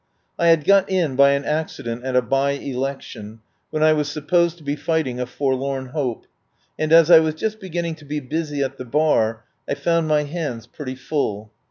I had got in by an accident at a by election, when I was supposed to be fighting a forlorn hope, and as I was just beginning to be busy at the Bar I found my hands pretty full.